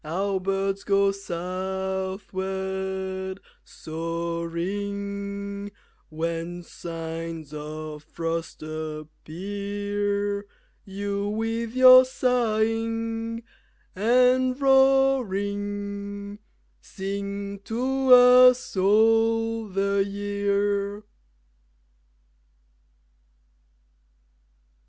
Our birds go southward soaring, When signs of frost appear, You, with your sighing and roaring, Sing to us all the year.